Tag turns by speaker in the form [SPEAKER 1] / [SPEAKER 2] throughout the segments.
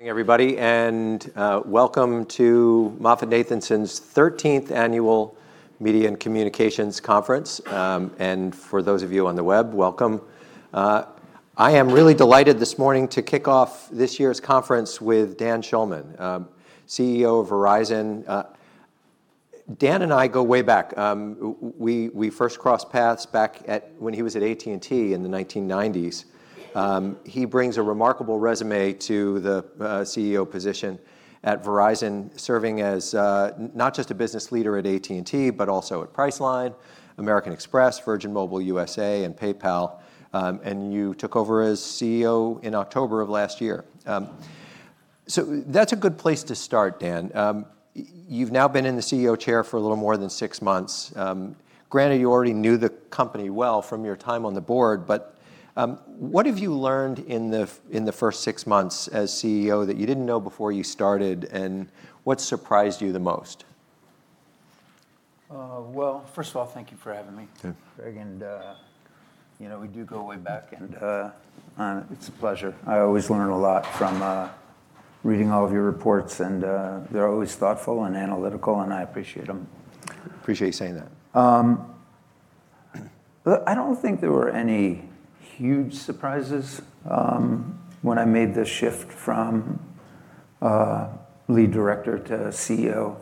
[SPEAKER 1] Everybody, welcome to MoffettNathanson's 13th Annual Media and Communications Conference. For those of you on the web, welcome. I am really delighted this morning to kick off this year's conference with Dan Schulman, CEO of Verizon. Dan and I go way back. We first crossed paths back at, when he was at AT&T in the 1990s. He brings a remarkable resume to the CEO position at Verizon, serving as not just a business leader at AT&T, but also at Priceline, American Express, Virgin Mobile USA, and PayPal. You took over as CEO in October of last year. That's a good place to start, Dan. You've now been in the CEO chair for a little more than six months. Granted, you already knew the company well from your time on the board, but what have you learned in the first six months as CEO that you didn't know before you started, and what surprised you the most?
[SPEAKER 2] Well, first of all, thank you for having me.
[SPEAKER 1] Yeah
[SPEAKER 2] Craig, you know, we do go way back. It's a pleasure. I always learn a lot from reading all of your reports, and they're always thoughtful and analytical, and I appreciate them.
[SPEAKER 1] Appreciate you saying that.
[SPEAKER 2] Look, I don't think there were any huge surprises when I made the shift from Lead Director to CEO.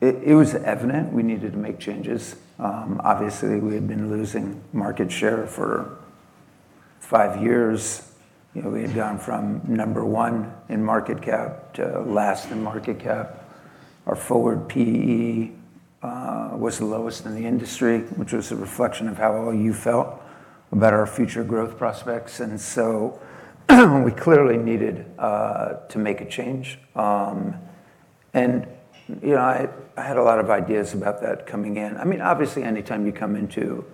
[SPEAKER 2] It was evident we needed to make changes. Obviously, we had been losing market share for five years. You know, we had gone from number one in market cap to last in market cap. Our forward PE was the lowest in the industry, which was a reflection of how all you felt about our future growth prospects. We clearly needed to make a change. You know, I had a lot of ideas about that coming in. I mean, obviously, anytime you come into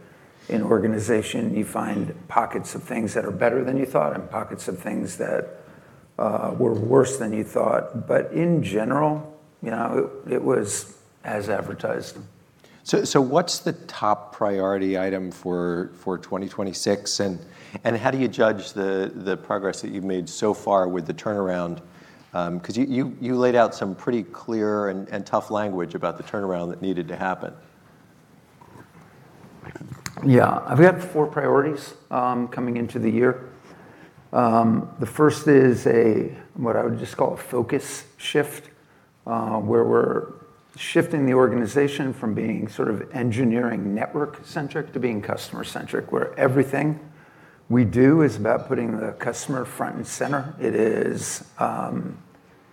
[SPEAKER 2] an organization, you find pockets of things that are better than you thought and pockets of things that were worse than you thought. In general, you know, it was as advertised.
[SPEAKER 1] What's the top priority item for 2026, and how do you judge the progress that you've made so far with the turnaround? 'Cause you laid out some pretty clear and tough language about the turnaround that needed to happen.
[SPEAKER 2] Yeah. I've got four priorities coming into the year. The first is a, what I would just call a focus shift, where we're shifting the organization from being sort of engineering network-centric to being customer-centric, where everything we do is about putting the customer front and center. It is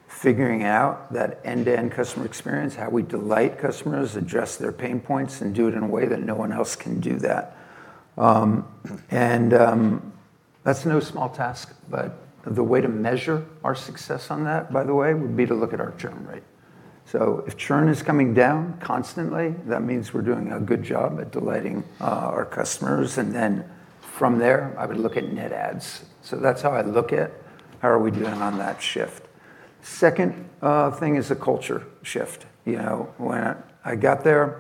[SPEAKER 2] figuring out that end-to-end customer experience, how we delight customers, address their pain points, and do it in a way that no one else can do that. That's no small task, but the way to measure our success on that, by the way, would be to look at our churn rate. If churn is coming down constantly, that means we're doing a good job at delighting our customers, and then from there, I would look at net adds. That's how I look at how are we doing on that shift. Second, thing is a culture shift. You know, when I got there,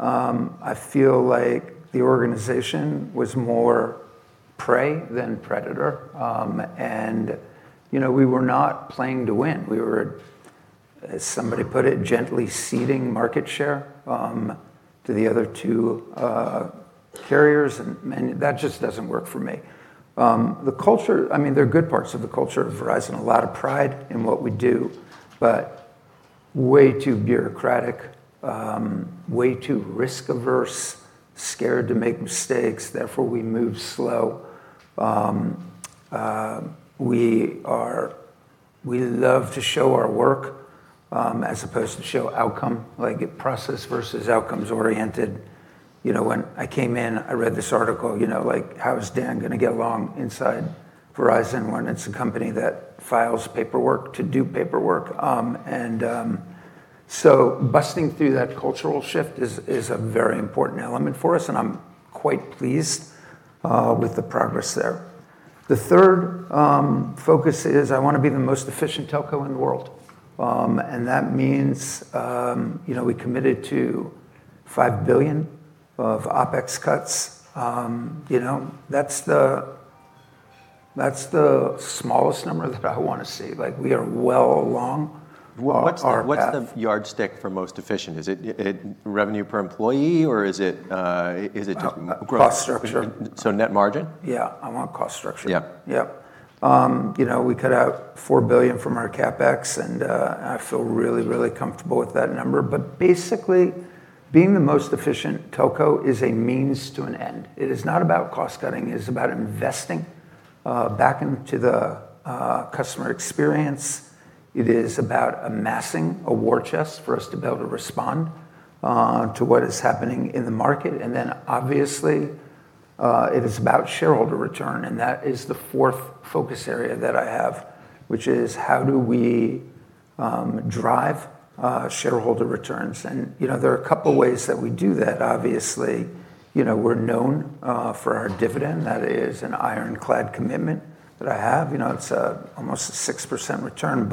[SPEAKER 2] I feel like the organization was more prey than predator. You know, we were not playing to win. We were, as somebody put it, gently ceding market share to the other two carriers, and that just doesn't work for me. The culture, I mean, there are good parts of the culture of Verizon, a lot of pride in what we do, but way too bureaucratic, way too risk-averse, scared to make mistakes; therefore, we move slow. We love to show our work, as opposed to show outcome, like process versus outcomes-oriented. You know, when I came in, I read this article, you know, like, "How is Dan gonna get along inside Verizon when it's a company that files paperwork to do paperwork?" So, busting through that cultural shift is a very important element for us, and I'm quite pleased with the progress there. The third focus is I wanna be the most efficient telco in the world. That means, you know, we committed to $5 billion of OpEx cuts. You know, that's the smallest number that I wanna see. Like, we are well along our path.
[SPEAKER 1] What's the yardstick for most efficient? Is it revenue per employee, or is it just growth?
[SPEAKER 2] Cost structure.
[SPEAKER 1] Net margin?
[SPEAKER 2] Yeah. I'm on cost structure.
[SPEAKER 1] Yeah.
[SPEAKER 2] Yeah. You know, we cut out $4 billion from our CapEx, and I feel really, really comfortable with that number. Basically, being the most efficient telco is a means to an end. It is not about cost-cutting; it is about investing back into the customer experience. It is about amassing a war chest for us to be able to respond to what is happening in the market. Obviously, it is about shareholder return, and that is the fourth focus area that I have, which is how do we drive shareholder returns? You know, there are a couple ways that we do that. Obviously, you know, we're known for our dividend. That is an ironclad commitment that I have. You know, it's almost a 6% return.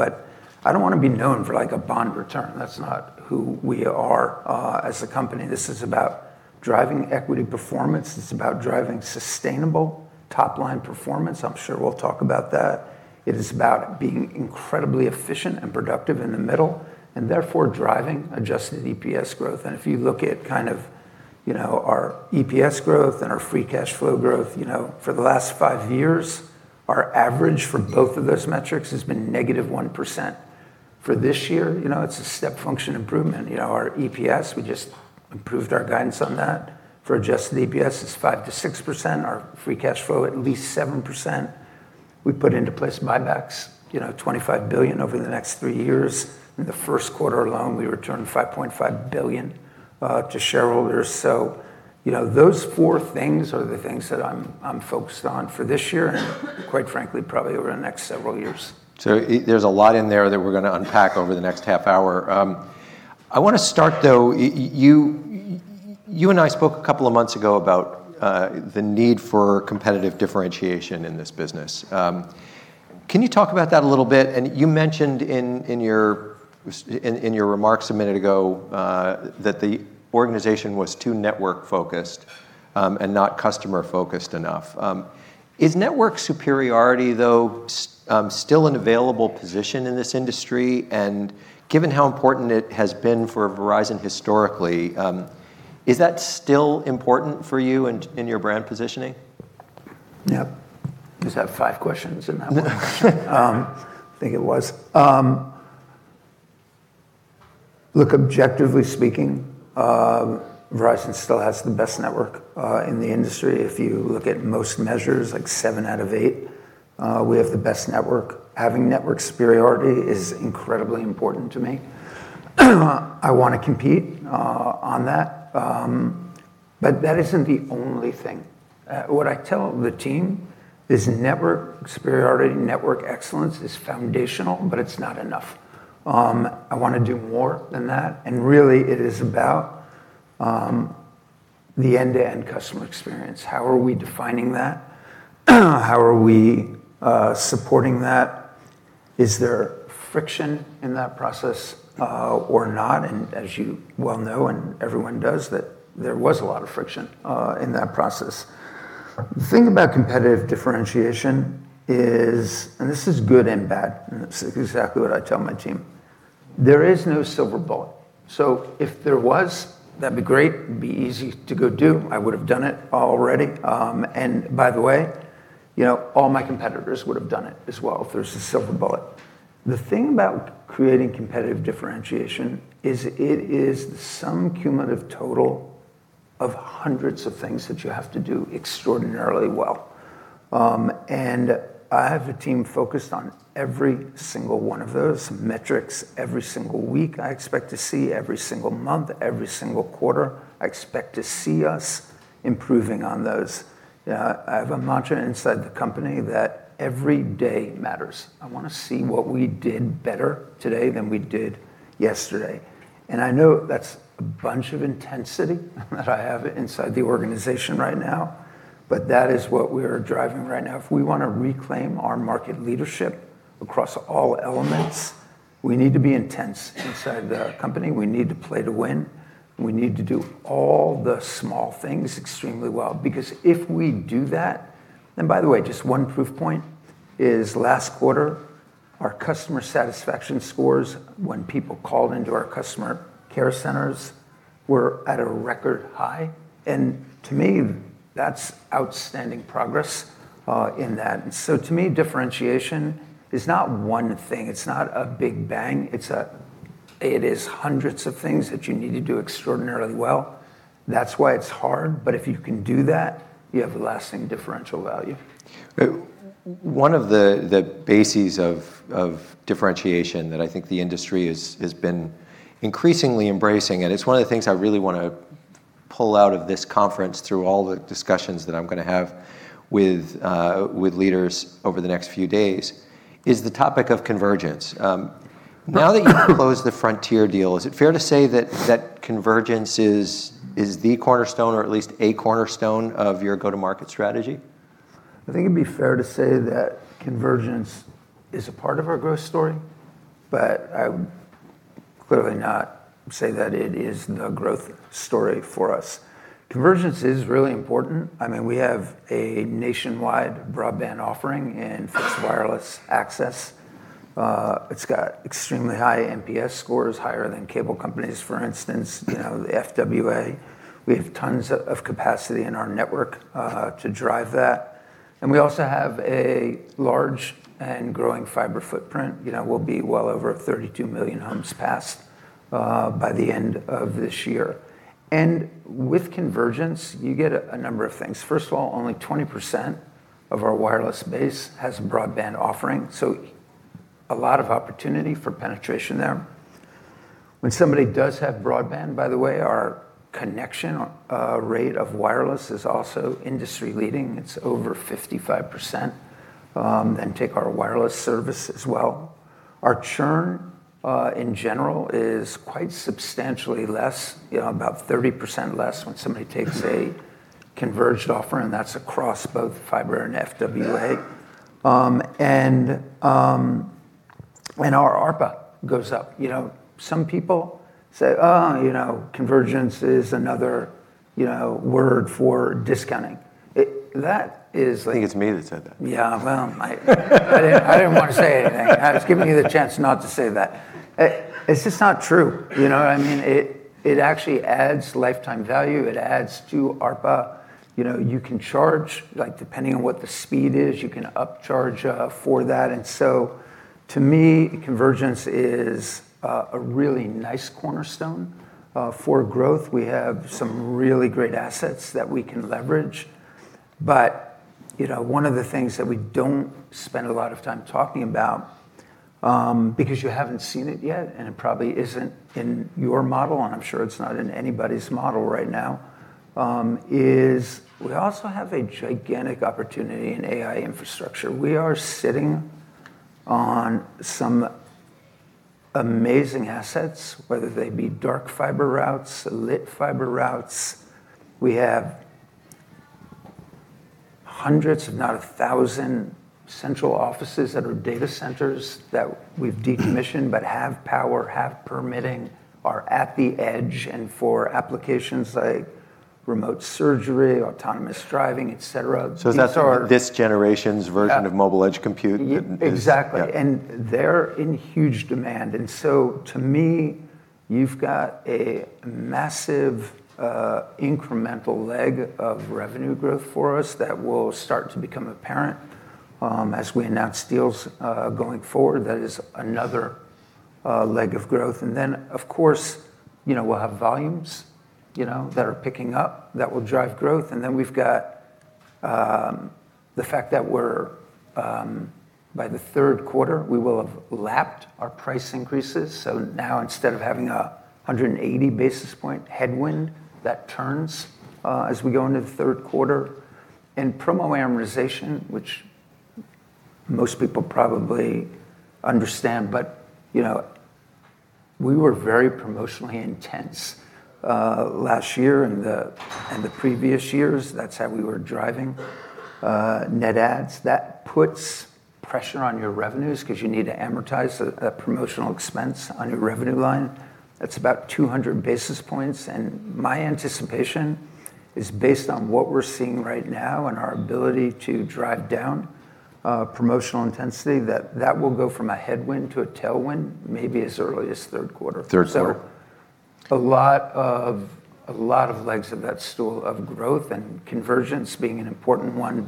[SPEAKER 2] I don't wanna be known for like a bond return. That's not who we are as a company. This is about driving equity performance. It's about driving sustainable top-line performance. I'm sure we'll talk about that. It is about being incredibly efficient and productive in the middle, therefore driving adjusted EPS growth. If you look at kind of, you know, our EPS growth and our free cash flow growth, you know, for the last five years, our average for both of those metrics has been -1%. For this year, you know, it's a step function improvement. You know, our EPS, we just improved our guidance on that. For adjusted EPS, it's 5%-6%. Our free cash flow, at least 7%. We put into place buybacks, you know, $25 billion over the next three years. In the first quarter alone, we returned $5.5 billion to shareholders. You know, those four things are the things that I'm focused on for this year, and quite frankly, probably over the next several years.
[SPEAKER 1] There's a lot in there that we're gonna unpack over the next half hour. I wanna start, though, you and I spoke a couple of months ago about the need for competitive differentiation in this business. Can you talk about that a little bit? You mentioned in your remarks a minute ago that the organization was too network-focused and not customer-focused enough. Is network superiority, though, still an available position in this industry? Given how important it has been for Verizon historically, is that still important for you in your brand positioning?
[SPEAKER 2] Yeah. You just have five questions in that one. Think it was. Look, objectively speaking, Verizon still has the best network in the industry. If you look at most measures, like seven out of eight, we have the best network. Having network superiority is incredibly important to me. I wanna compete on that. That isn't the only thing. What I tell the team is network superiority, network excellence is foundational, but it's not enough. I wanna do more than that, and really, it is about the end-to-end customer experience. How are we defining that? How are we supporting that? Is there friction in that process or not? As you well know, and everyone does, that there was a lot of friction in that process. The thing about competitive differentiation is, and this is good and bad, and this is exactly what I tell my team. There is no silver bullet. If there was, that'd be great. It'd be easy to go do. I would've done it already. And by the way, you know, all my competitors would've done it as well if there's a silver bullet. The thing about creating competitive differentiation is it is the sum cumulative total of hundreds of things that you have to do extraordinarily well. And I have a team focused on every single one of those metrics every single week. I expect to see every single month, every single quarter, I expect to see us improving on those. I have a mantra inside the company that every day matters. I wanna see what we did better today than we did yesterday. I know that's a bunch of intensity that I have inside the organization right now, but that is what we're driving right now. If we wanna reclaim our market leadership across all elements, we need to be intense inside the company. We need to play to win, and we need to do all the small things extremely well because if we do that. By the way, just one proof point is last quarter, our customer satisfaction scores when people called into our customer care centers were at a record high, and to me, that's outstanding progress in that. To me, differentiation is not one thing. It's not a big bang. It is hundreds of things that you need to do extraordinarily well. That's why it's hard, but if you can do that, you have lasting differential value.
[SPEAKER 1] One of the bases of differentiation that I think the industry has been increasingly embracing, and it's one of the things I really wanna pull out of this conference through all the discussions that I'm gonna have with leaders over the next few days, is the topic of convergence. Now that you've closed the Frontier deal, is it fair to say that convergence is the cornerstone or at least a cornerstone, of your go-to-market strategy?
[SPEAKER 2] I think it'd be fair to say that convergence is a part of our growth story, but I would clearly not say that it is the growth story for us. Convergence is really important. I mean, we have a nationwide broadband offering and fixed wireless access. It's got extremely high NPS scores, higher than cable companies, for instance, you know, the FWA. We have tons of capacity in our network to drive that. We also have a large and growing fiber footprint. You know, we'll be well over 32 million homes passed by the end of this year. With convergence, you get a number of things. First of all, only 20% of our wireless base has a broadband offering, so a lot of opportunity for penetration there. When somebody does have broadband, by the way, our connection rate of wireless is also industry-leading. It's over 55%, and take our wireless service as well. Our churn, in general, is quite substantially less, you know, about 30% less when somebody takes a converged offer, and that's across both fiber and FWA. Our ARPA goes up. You know, some people say, "Oh," you know, "convergence is another, you know, word for discounting." That is like-
[SPEAKER 1] I think it's me that said that.
[SPEAKER 2] Yeah. Well, I didn't want to say anything. I was giving you the chance not to say that. It's just not true, you know what I mean? It actually adds lifetime value. It adds to ARPA. You know, you can charge, like, depending on what the speed is, you can upcharge for that. To me, convergence is a really nice cornerstone for growth. We have some really great assets that we can leverage. You know, one of the things that we don't spend a lot of time talking about because you haven't seen it yet, and it probably isn't in your model, and I'm sure it's not in anybody's model right now, is we also have a gigantic opportunity in AI infrastructure. We are sitting on some amazing assets, whether they be dark fiber routes, lit fiber routes. We have hundreds, if not a thousand, central offices that are data centers that we've decommissioned but have power, have permitting, are at the edge. For applications like remote surgery, autonomous driving, et cetera.
[SPEAKER 1] It's not this generation's version of mobile edge compute. It.
[SPEAKER 2] Exactly.
[SPEAKER 1] Yeah.
[SPEAKER 2] They're in huge demand. To me, you've got a massive, incremental leg of revenue growth for us that will start to become apparent as we announce deals, going forward. That is another leg of growth. Then, of course, you know, we'll have volumes, you know, that are picking up that will drive growth, and then we've got the fact that we're, by the third quarter, we will have lapped our price increases. Now, instead of having 180 basis point headwind, that turns, as we go into the third quarter. Promo amortization, which most people probably understand, but you know, we were very promotionally intense last year and the previous years. That's how we were driving, net adds. That puts pressure on your revenues because you need to amortize that promotional expense on your revenue line. My anticipation is based on what we're seeing right now and our ability to drive down promotional intensity, that will go from a headwind to a tailwind, maybe as early as third quarter.
[SPEAKER 1] Third quarter.
[SPEAKER 2] A lot of legs of that stool of growth and convergence being an important one.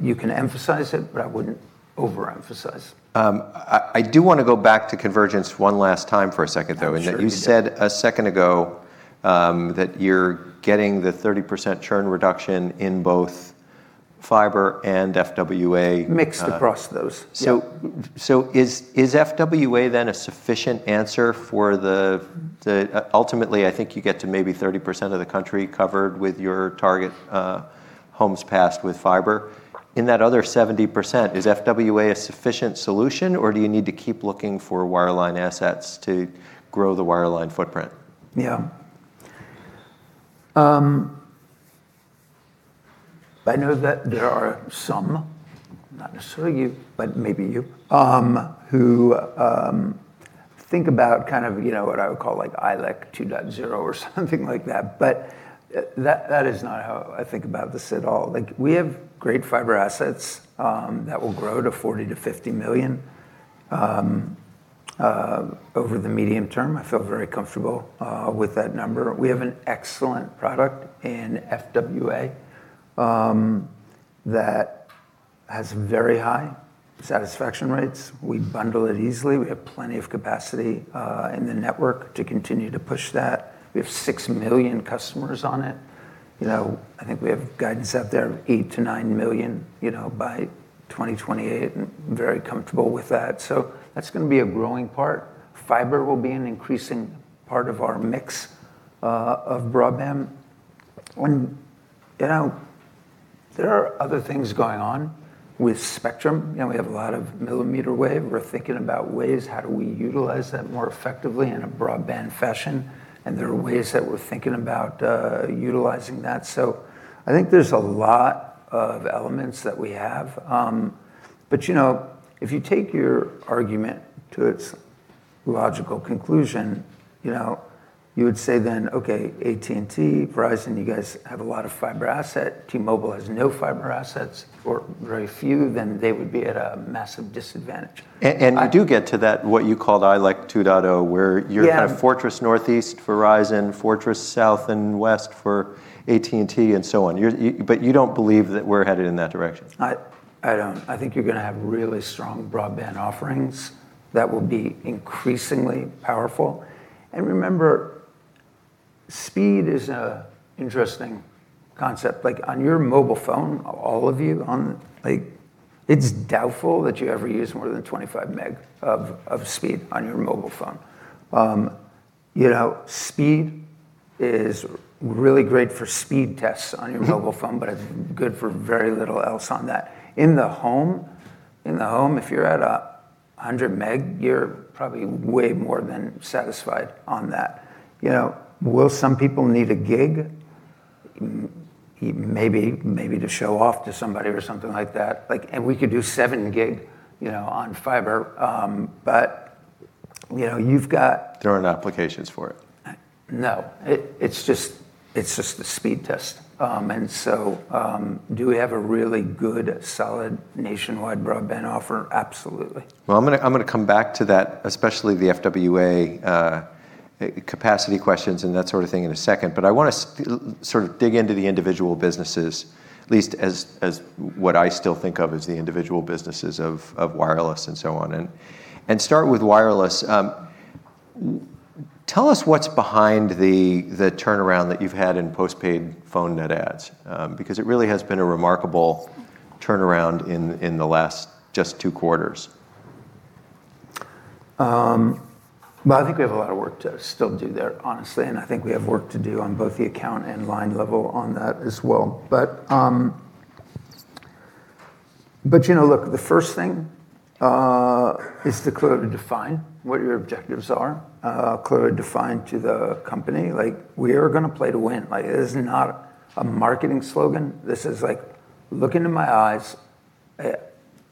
[SPEAKER 2] You can emphasize it, but I wouldn't overemphasize.
[SPEAKER 1] I do wanna go back to convergence 1 last time for a second though.
[SPEAKER 2] Sure, yeah.
[SPEAKER 1] You said a second ago that you're getting the 30% churn reduction in both fiber and FWA.
[SPEAKER 2] Mixed across those. Yeah.
[SPEAKER 1] Is FWA then a sufficient answer for the? Ultimately, I think you get to maybe 30% of the country covered with your target homes passed with fiber. In that other 70%, is FWA a sufficient solution, or do you need to keep looking for wireline assets to grow the wireline footprint?
[SPEAKER 2] I know that there are some, not necessarily you, but maybe you, who think about kind of, you know, what I would call like ILEC 2.0 or something like that. That, that is not how I think about this at all. Like, we have great fiber assets that will grow to 40 million to 50 million over the medium term. I feel very comfortable with that number. We have an excellent product in FWA, that has very high satisfaction rates. We bundle it easily. We have plenty of capacity in the network to continue to push that. We have 6 million customers on it. You know, I think we have guidance out there of 8 million to 9 million, you know, by 2028, very comfortable with that. That's gonna be a growing part. Fiber will be an increasing part of our mix of broadband. You know, there are other things going on with Spectrum. You know, we have a lot of millimeter wave. We're thinking about ways, how do we utilize that more effectively in a broadband fashion, and there are ways that we're thinking about utilizing that. I think there's a lot of elements that we have. You know, if you take your argument to its logical conclusion, you know, you would say then, okay, AT&T, Verizon, you guys have a lot of fiber asset. T-Mobile has no fiber assets or very few, then they would be at a massive disadvantage.
[SPEAKER 1] You do get to that, what you called ILEC 2.0, kind of fortress Northeast Verizon, fortress South and West for AT&T and so on. You're, but you don't believe that we're headed in that direction?
[SPEAKER 2] I don't. I think you're gonna have really strong broadband offerings that will be increasingly powerful. Remember, speed is a interesting concept. On your mobile phone, all of you on, it's doubtful that you ever use more than 25 MB of speed on your mobile phone. You know, speed is really great for speed tests on your mobile phone, but it's good for very little else on that. In the home, if you're at 100 MB, you're probably way more than satisfied on that. You know, will some people need a gig? Maybe to show off to somebody or something like that. Like, we could do 7 gig, you know, on fiber, but, you know.
[SPEAKER 1] There aren't applications for it.
[SPEAKER 2] No. It's just the speed test. Do we have a really good, solid nationwide broadband offer? Absolutely.
[SPEAKER 1] Well, I'm gonna come back to that, especially the FWA capacity questions and that sort of thing, in a second. I wanna sort of dig into the individual businesses, at least as what I still think of as the individual businesses of wireless and so on. Start with wireless. Tell us what's behind the turnaround that you've had in postpaid phone net adds, because it really has been a remarkable turnaround in the last just two quarters.
[SPEAKER 2] Well, I think we have a lot of work to still do there, honestly, and I think we have work to do on both the account and line level on that as well. You know, look, the first thing is to clearly define what your objectives are, clearly define to the company. Like, we are gonna play to win. Like, it is not a marketing slogan. This is like, look into my eyes,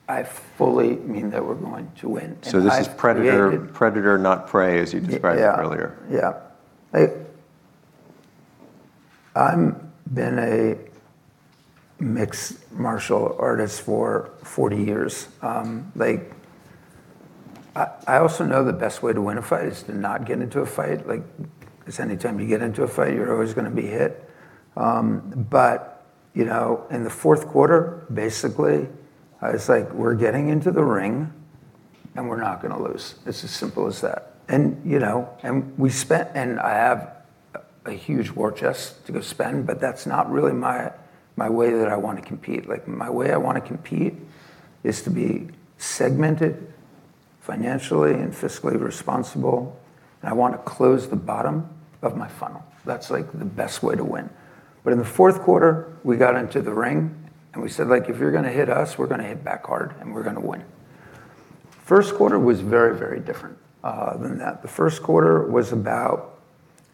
[SPEAKER 2] I fully mean that we're going to win.
[SPEAKER 1] This is predator not prey, as you described it earlier.
[SPEAKER 2] Yeah, yeah. Like, I'm been a mixed martial artist for 40 years. Like, I also know the best way to win a fight is to not get into a fight. Like, 'cause any time you get into a fight, you're always gonna be hit. You know, in the fourth quarter, basically, it's like we're getting into the ring, and we're not gonna lose. It's as simple as that. You know, I have a huge war chest to go spend, but that's not really my way that I wanna compete. Like, my way I wanna compete is to be segmented financially and fiscally responsible, and I wanna close the bottom of my funnel. That's, like, the best way to win. In the fourth quarter, we got into the ring, and we said, like, "If you're gonna hit us, we're gonna hit back hard, and we're gonna win." First quarter was very different than that. The first quarter was about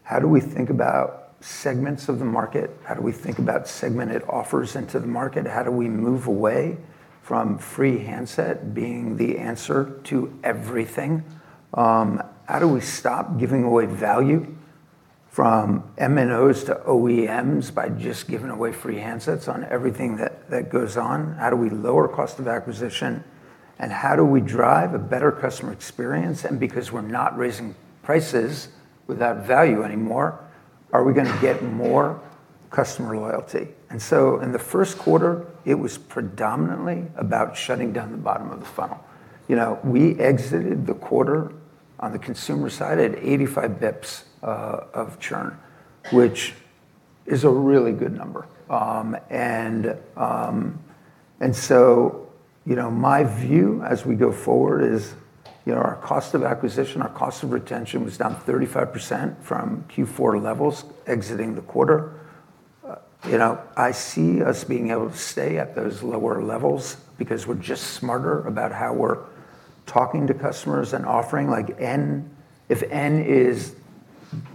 [SPEAKER 2] how do we think about segments of the market? How do we think about segmented offers into the market? How do we move away from free handset being the answer to everything? How do we stop giving away value from MNOs to OEMs by just giving away free handsets on everything that goes on? How do we lower cost of acquisition, and how do we drive a better customer experience? Because we're not raising prices without value anymore, are we gonna get more customer loyalty? In the first quarter, it was predominantly about shutting down the bottom of the funnel. You know, we exited the quarter on the consumer side at 85 bps of churn, which is a really good number. You know, my view as we go forward is, you know, our cost of acquisition, our cost of retention was down 35% from Q4 levels exiting the quarter. You know, I see us being able to stay at those lower levels because we're just smarter about how we're talking to customers and offering, like n. If n is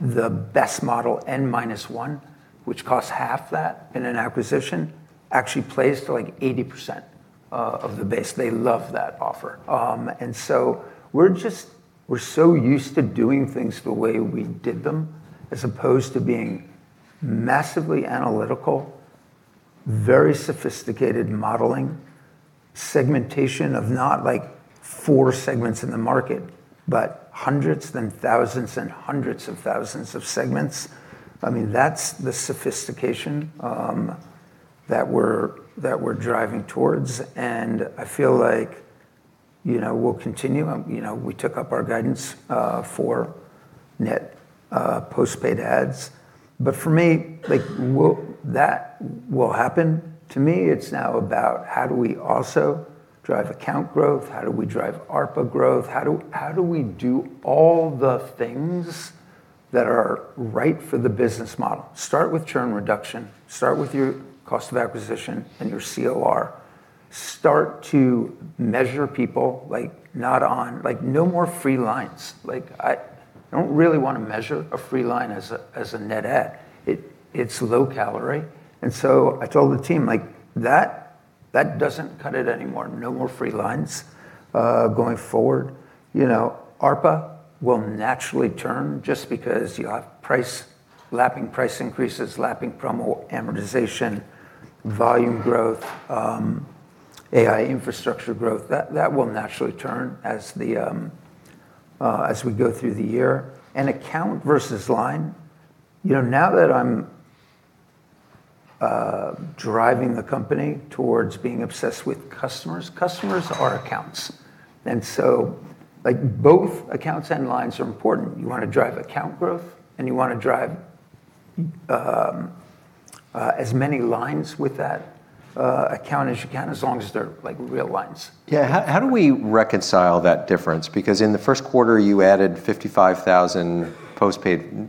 [SPEAKER 2] the best model, n-1, which costs half that in an acquisition, actually plays to, like, 80% of the base. They love that offer. We're so used to doing things the way we did them as opposed to being massively analytical, very sophisticated modeling, segmentation of not, like, four segments in the market, but hundreds, then thousands, and hundreds of thousands of segments. I mean, that's the sophistication that we're driving towards, I feel like, you know, we'll continue. You know, we took up our guidance for net postpaid adds. For me, like, that will happen. To me, it's now about how do we also drive account growth? How do we drive ARPA growth? How do we do all the things that are right for the business model? Start with churn reduction. Start with your cost of acquisition and your COR. Start to measure people, like, not on no more free lines. Like, I don't really wanna measure a free line as a, as a net add. It's low-calorie. So I told the team, like, that doesn't cut it anymore. No more free lines going forward. You know, ARPA will naturally turn just because you have lapping price increases, lapping promo amortization, volume growth, AI infrastructure growth. That will naturally turn as we go through the year. Account versus line, you know, now that I'm driving the company towards being obsessed with customers are accounts. So, like, both accounts and lines are important. You wanna drive account growth, and you wanna drive as many lines with that account as you can, as long as they're, like, real lines.
[SPEAKER 1] Yeah. How do we reconcile that difference? In the first quarter, you added 55,000 postpaid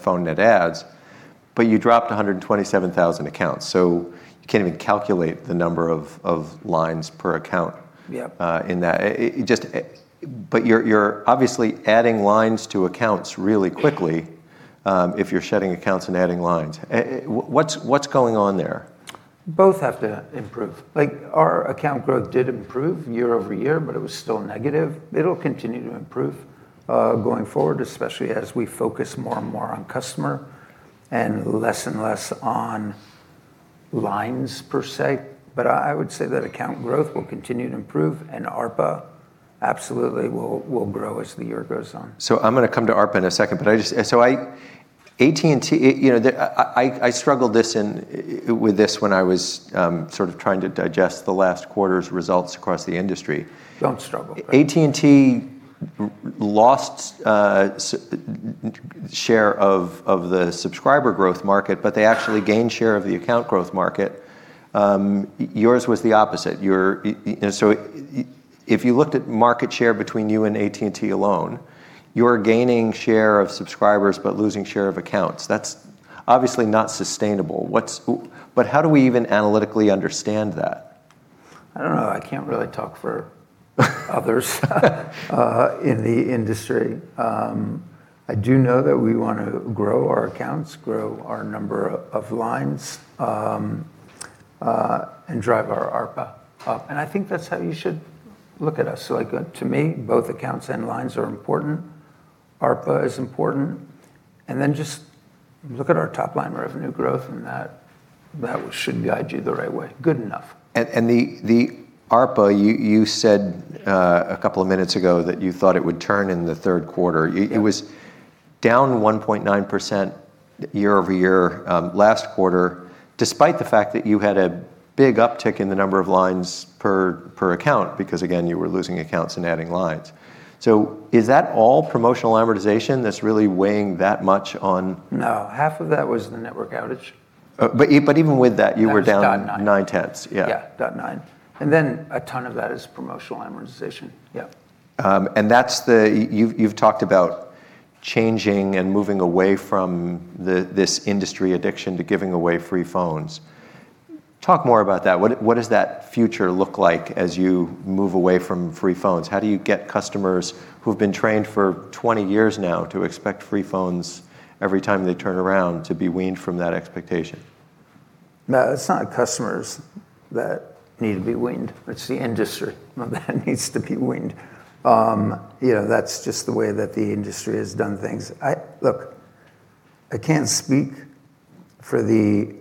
[SPEAKER 1] phone net adds, but you dropped 127,000 accounts. You can't even calculate the number of lines per account in that. You're obviously adding lines to accounts really quickly, if you're shedding accounts and adding lines. What's going on there?
[SPEAKER 2] Both have to improve. Like our account growth did improve year-over-year, but it was still negative. It'll continue to improve, going forward, especially as we focus more and more on customer and less and less on lines per se. I would say that account growth will continue to improve, and ARPA absolutely will grow as the year goes on.
[SPEAKER 1] I'm gonna come to ARPA in a second, but I just AT&T, you know, I struggled this in, with this when I was, sort of trying to digest the last quarter's results across the industry.
[SPEAKER 2] Don't struggle.
[SPEAKER 1] AT&T lost share of the subscriber growth market, but they actually gained share of the account growth market. Yours was the opposite. You know, if you looked at market share between you and AT&T alone, you're gaining share of subscribers but losing share of accounts. That's obviously not sustainable. How do we even analytically understand that?
[SPEAKER 2] I don't know. I can't really talk for others in the industry. I do know that we wanna grow our accounts, grow our number of lines, drive our ARPA up, and I think that's how you should look at us. Like, to me, both accounts and lines are important. ARPA is important. Just look at our top line revenue growth, and that will, should guide you the right way. Good enough.
[SPEAKER 1] The ARPA, you said a couple minutes ago, that you thought it would turn in the third quarter.
[SPEAKER 2] Yeah.
[SPEAKER 1] It was down 1.9% year-over-year, last quarter, despite the fact that you had a big uptick in the number of lines per account because, again, you were losing accounts and adding lines. Is that all promotional amortization that's really weighing that much?
[SPEAKER 2] No. Half of that was the network outage.
[SPEAKER 1] Even with that, you were down-
[SPEAKER 2] That was 0.9.
[SPEAKER 1] nine-tenths. Yeah.
[SPEAKER 2] Yeah. 0.9. A ton of that is promotional amortization. Yeah.
[SPEAKER 1] You've talked about changing and moving away from this industry addiction to giving away free phones. Talk more about that. What does that future look like as you move away from free phones? How do you get customers who've been trained for 20 years now to expect free phones every time they turn around to be weaned from that expectation?
[SPEAKER 2] No, it's not customers that need to be weaned. It's the industry that needs to be weaned. You know, that's just the way that the industry has done things. I can't speak for the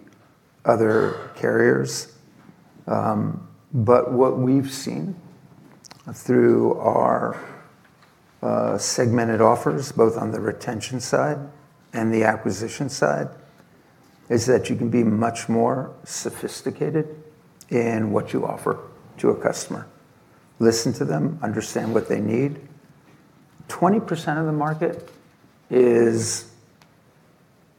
[SPEAKER 2] other carriers, but what we've seen through our segmented offers, both on the retention side and the acquisition side, is that you can be much more sophisticated in what you offer to a customer. Listen to them, understand what they need. 20% of the market is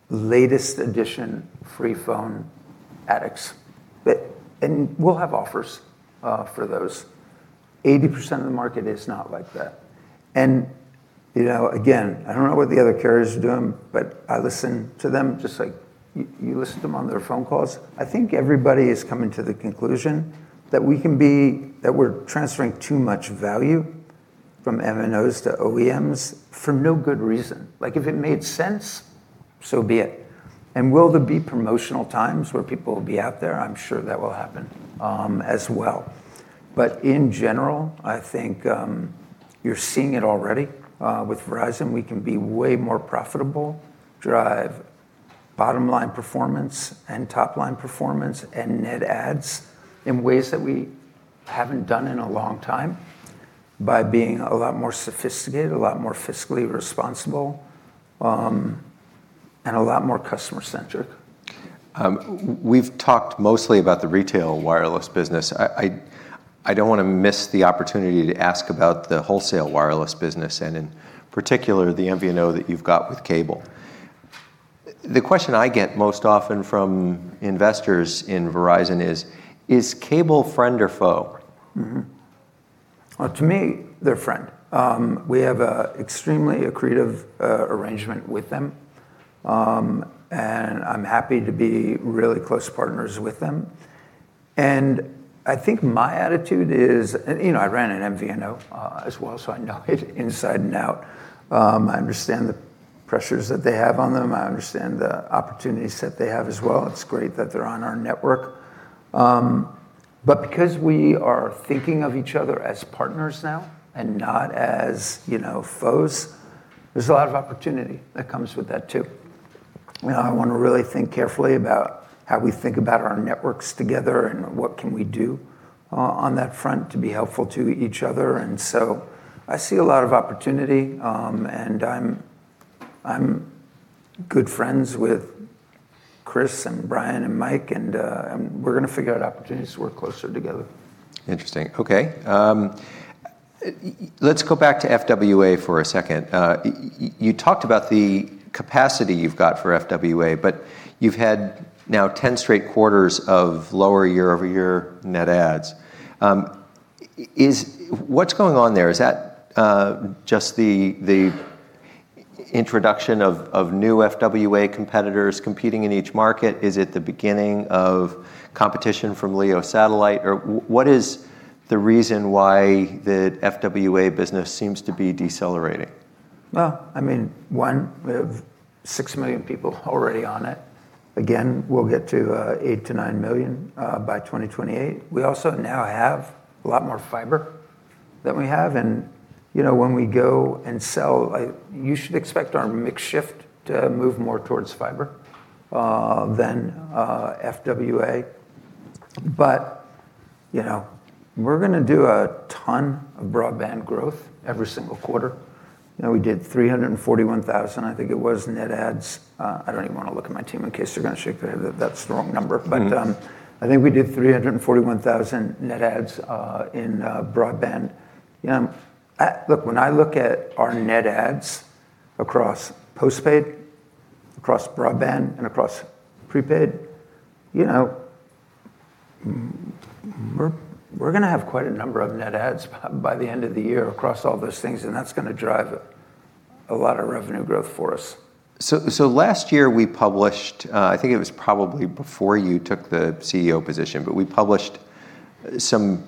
[SPEAKER 2] latest edition free phone addicts. And we'll have offers for those. 80% of the market is not like that. You know, again, I don't know what the other carriers are doing, but I listen to them just like you listen to them on their phone calls. I think everybody is coming to the conclusion that we're transferring too much value from MNOs to OEMs for no good reason. Like, if it made sense, so be it. Will there be promotional times where people will be out there? I'm sure that will happen as well. In general, I think, you're seeing it already with Verizon. We can be way more profitable, drive bottom-line performance and top line performance and net adds in ways that we haven't done in a long time by being a lot more sophisticated, a lot more fiscally responsible, and a lot more customer-centric.
[SPEAKER 1] We've talked mostly about the retail wireless business. I don't wanna miss the opportunity to ask about the wholesale wireless business and, in particular, the MVNO that you've got with cable. The question I get most often from investors in Verizon is, "Is cable friend or foe?
[SPEAKER 2] To me, they're friend. We have a extremely accretive arrangement with them. I'm happy to be really close partners with them. I think my attitude is, you know, I ran an MVNO, as well, so I know it inside and out. I understand the pressures that they have on them, I understand the opportunities that they have as well. It's great that they're on our network. Because we are thinking of each other as partners now and not as, you know, foes, there's a lot of opportunity that comes with that, too. You know, I wanna really think carefully about how we think about our networks together and what can we do, on that front to be helpful to each other. I see a lot of opportunity, and I'm good friends with Chris and Brian and Mike, and we're gonna figure out opportunities to work closer together.
[SPEAKER 1] Interesting. Okay. Let's go back to FWA for a second. You talked about the capacity you've got for FWA, but you've had now 10 straight quarters of lower year-over-year net adds. What's going on there? Is that just the introduction of new FWA competitors competing in each market? Is it the beginning of competition from LEO satellite? What is the reason why the FWA business seems to be decelerating?
[SPEAKER 2] Well, I mean, one, we have 6 million people already on it. We'll get to 8 million to 9 million by 2028. We also now have a lot more fiber than we have. You know, when we go and sell, like, you should expect our mix shift to move more towards fiber than FWA. You know, we're gonna do a ton of broadband growth every single quarter. You know, we did 341,000, I think it was, net adds. I don't even wanna look at my team in case they're gonna shake their head that that's the wrong number. I think we did 341,000 net adds in broadband. Look, when I look at our net adds across postpaid, across broadband, and across prepaid, you know, we're gonna have quite a number of net adds by the end of the year across all those things, and that's gonna drive a lot of revenue growth for us.
[SPEAKER 1] Last year, we published, I think it was probably before you took the CEO position, but we published some,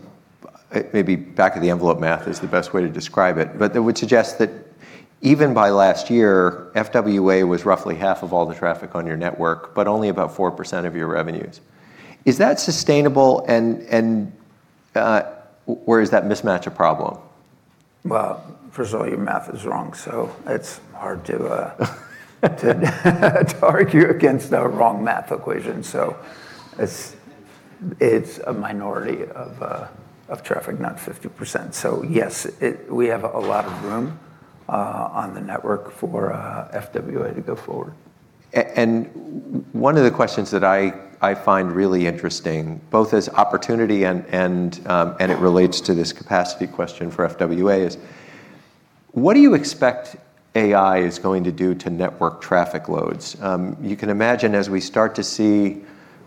[SPEAKER 1] maybe back-of-the-envelope math is the best way to describe it. It would suggest that even by last year, FWA was roughly half of all the traffic on your network, but only about 4% of your revenues. Is that sustainable and, or is that mismatch a problem?
[SPEAKER 2] First of all, your math is wrong, it's hard to argue against a wrong math equation. It's a minority of traffic, not 50%. Yes, we have a lot of room on the network for FWA to go forward.
[SPEAKER 1] One of the questions that I find really interesting, both as opportunity and it relates to this capacity question for FWA, is. What do you expect AI is going to do to network traffic loads? You can imagine as we start to see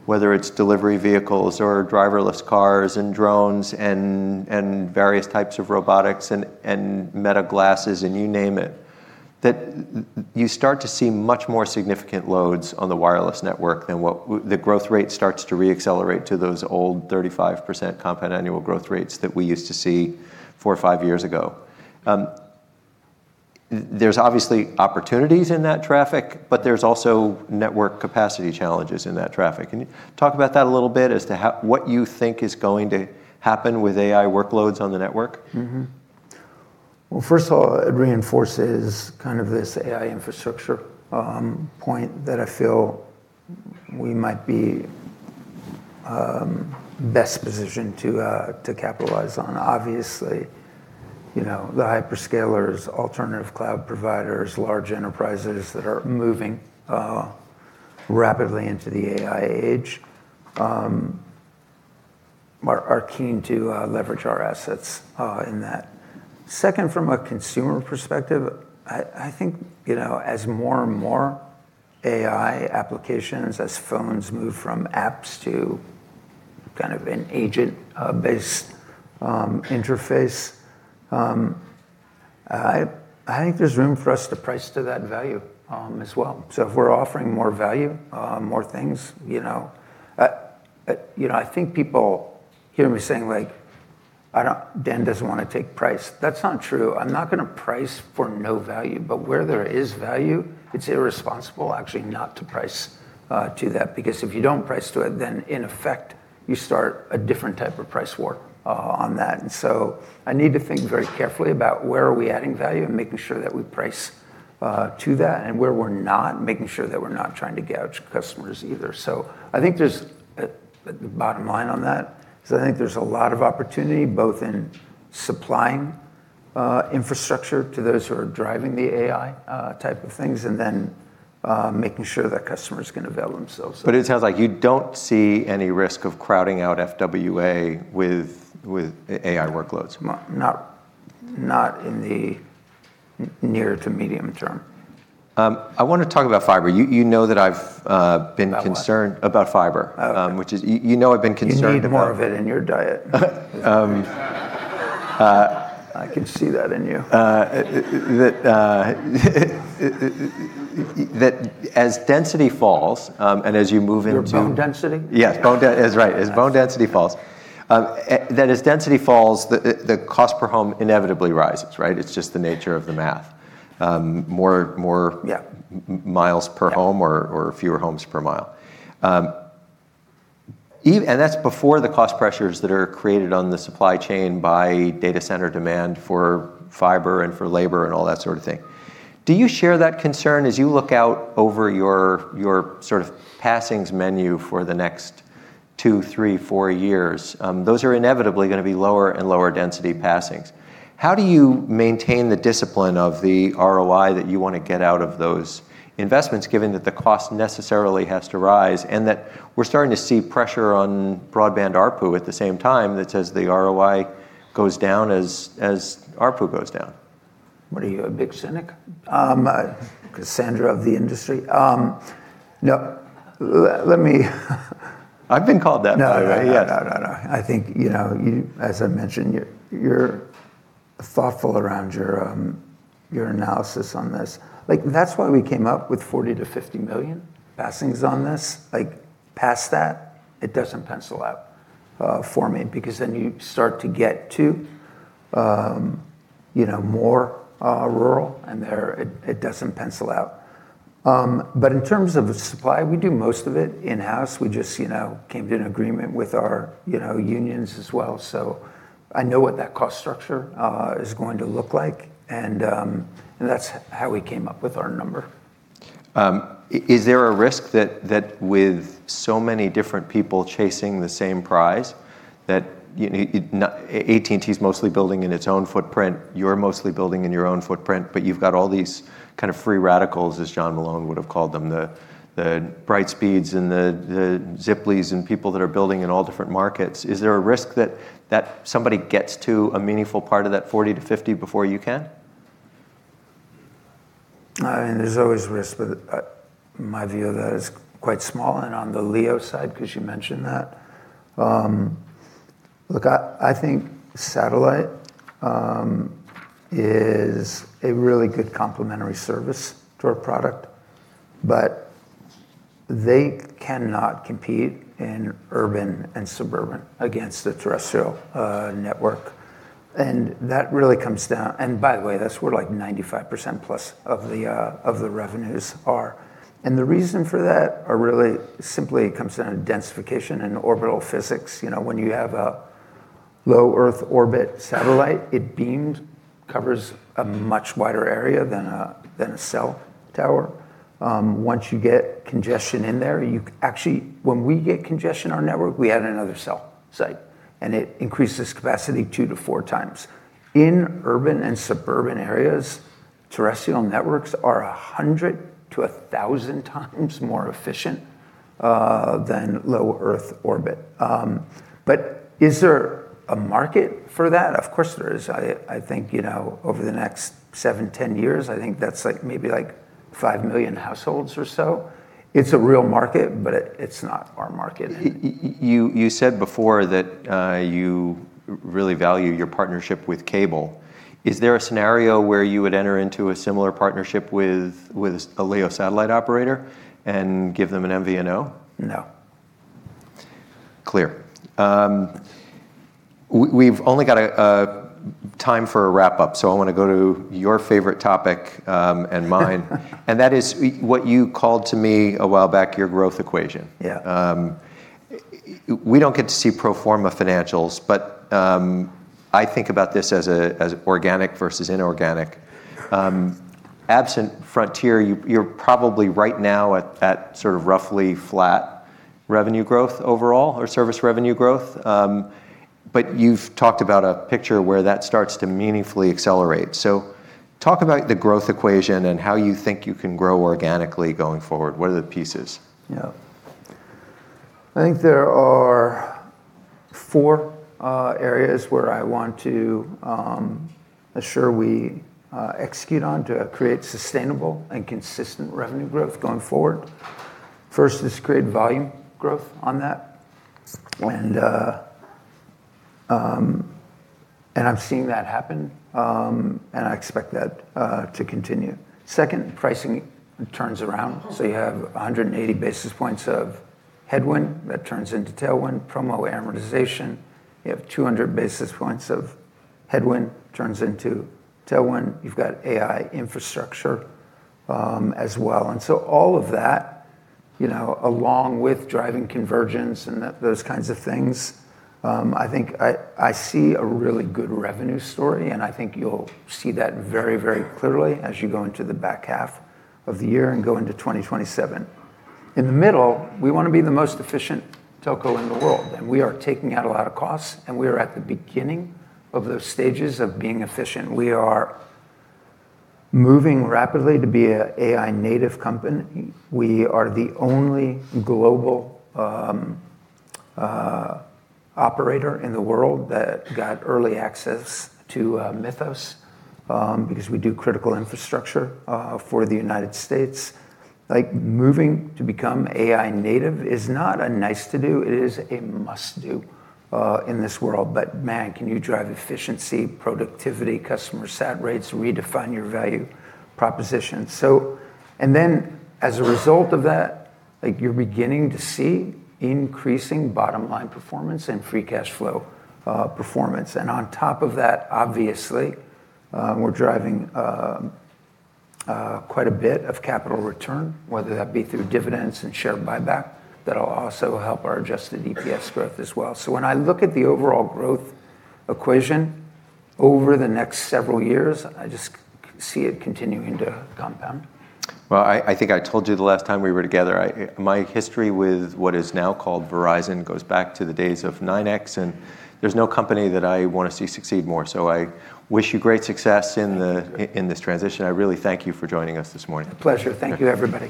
[SPEAKER 1] whether it's delivery vehicles or driverless cars and drones and various types of robotics and Meta glasses, and you name it, that you start to see much more significant loads on the wireless network than what the growth rate starts to re-accelerate to those old 35% compound annual growth rates that we used to see four, five years ago. There's obviously opportunities in that traffic, but there's also network capacity challenges in that traffic. Can you talk about that a little bit as to what you think is going to happen with AI workloads on the network?
[SPEAKER 2] Well, first of all, it reinforces kind of this AI infrastructure point that I feel we might be best positioned to capitalize on. Obviously, you know, the hyperscalers, alternative cloud providers, large enterprises that are moving rapidly into the AI age are keen to leverage our assets in that. Second, from a consumer perspective, I think, you know, as more and more AI applications, as phones move from apps to kind of an agent-based interface, I think there's room for us to price to that value as well. If we're offering more value, more things, you know, I think people hear me saying like, "I don't, Dan doesn't wanna take price." That's not true. I'm not gonna price for no value, but where there is value, it's irresponsible actually not to price to that, because if you don't price to it, then in effect, you start a different type of price war on that. I need to think very carefully about where are we adding value and making sure that we price to that and where we're not, making sure that we're not trying to gouge customers either. I think there's the bottom line on that is I think there's a lot of opportunity both in supplying infrastructure to those who are driving the AI type of things, and then making sure that customers can avail themselves.
[SPEAKER 1] It sounds like you don't see any risk of crowding out FWA with AI workloads.
[SPEAKER 2] Not near to medium term.
[SPEAKER 1] I wanna talk about fiber. You know.
[SPEAKER 2] About what?
[SPEAKER 1] About fiber.
[SPEAKER 2] Okay.
[SPEAKER 1] Which is, you know, I've been concerned about.
[SPEAKER 2] You need more of it in your diet. I can see that in you.
[SPEAKER 1] That as density falls, and as you move into.
[SPEAKER 2] Your bone density?
[SPEAKER 1] Yes, that's right. As bone density falls, as density falls, the cost per home inevitably rises, right? It's just the nature of the math.
[SPEAKER 2] Yeah
[SPEAKER 1] Miles per home
[SPEAKER 2] Yeah
[SPEAKER 1] Fewer homes per mile. That's before the cost pressures that are created on the supply chain by data center demand for fiber and for labor and all that sort of thing. Do you share that concern as you look out over your sort of passings menu for the next two, three, four years? Those are inevitably gonna be lower and lower density passings. How do you maintain the discipline of the ROI that you wanna get out of those investments, given that the cost necessarily has to rise, and that we're starting to see pressure on broadband ARPU at the same time that says the ROI goes down as ARPU goes down?
[SPEAKER 2] What are you, a big cynic? Cassandra of the industry? No, let me.
[SPEAKER 1] I've been called that by the way, yeah.
[SPEAKER 2] No, no, no. I think, you know, you, as I mentioned, you're thoughtful around your analysis on this. Like, that's why we came up with 40 million-50 million passings on this. Like, past that, it doesn't pencil out for me, because then you start to get to, you know, more rural and there it doesn't pencil out. In terms of the supply, we do most of it in-house. We just, you know, came to an agreement with our, you know, unions as well. I know what that cost structure is going to look like, and that's how we came up with our number.
[SPEAKER 1] Is there a risk that with so many different people chasing the same prize, that AT&T is mostly building in its own footprint, you're mostly building in your own footprint, but you've got all these kind of free radicals, as John Malone would have called them, the Brightspeed's and the Ziply and people that are building in all different markets. Is there a risk that somebody gets to a meaningful part of that 40 to 50 before you can?
[SPEAKER 2] I mean, there's always risk; my view of that is quite small. On the LEO side, because you mentioned that, look, I think satellite is a really good complementary service to our product; they cannot compete in urban and suburban against the terrestrial network. By the way, that's where, like, 95%+ of the revenues are. The reason for that are really simply comes down to densification and orbital physics. You know, when you have a Low Earth Orbit satellite, it beamed covers a much wider area than a cell tower. Once you get congestion in there, actually, when we get congestion on our network, we add another cell site, it increases capacity 2 to 4 times. In urban and suburban areas, terrestrial networks are 100 to 1,000 times more efficient than Low Earth Orbit. Is there a market for that? Of course there is. I think, you know, over the next seven, 10 years, I think that's, like, maybe, like, 5 million households or so. It's a real market, but it's not our market.
[SPEAKER 1] You said before that you really value your partnership with cable. Is there a scenario where you would enter into a similar partnership with a LEO satellite operator and give them an MVNO?
[SPEAKER 2] No.
[SPEAKER 1] Clear. We've only got a time for a wrap-up, so I wanna go to your favorite topic, and mine. That is what you called to me a while back, your growth equation.
[SPEAKER 2] Yeah.
[SPEAKER 1] We don't get to see pro forma financials. I think about this as a, as organic versus inorganic. Absent Frontier, you're probably right now at sort of roughly flat revenue growth overall or service revenue growth. You've talked about a picture where that starts to meaningfully accelerate. Talk about the growth equation and how you think you can grow organically going forward. What are the pieces?
[SPEAKER 2] I think there are four areas where I want to assure we execute on to create sustainable and consistent revenue growth going forward. First is create volume growth on that. I've seen that happen, and I expect that to continue. Second, pricing turns around. You have 180 basis points of headwind that turns into tailwind, promo amortization. You have 200 basis points of headwind turns into tailwind. You've got AI infrastructure as well. All of that, you know, along with driving convergence and those kinds of things, I think I see a really good revenue story, and I think you'll see that very, very clearly as you go into the back half of the year and go into 2027. In the middle, we wanna be the most efficient telco in the world, and we are taking out a lot of costs, and we are at the beginning of the stages of being efficient. We are moving rapidly to be an AI-native company. We are the only global operator in the world that got early access to Mythos because we do critical infrastructure for the U.S. Like, moving to become AI-native is not a nice-to-do, it is a must-do in this world. Man, can you drive efficiency, productivity, customer sat rates, redefine your value proposition? As a result of that, like, you're beginning to see increasing bottom-line performance and free cash flow performance. On top of that, obviously, we're driving quite a bit of capital return, whether that be through dividends and share buyback. That'll also help our adjusted EPS growth as well. When I look at the overall growth equation over the next several years, I just see it continuing to compound.
[SPEAKER 1] Well, I think I told you the last time we were together, my history with what is now called Verizon goes back to the days of NYNEX. There's no company that I wanna see succeed more. So, I wish you great success in this transition. I really thank you for joining us this morning.
[SPEAKER 2] A pleasure. Thank you, everybody.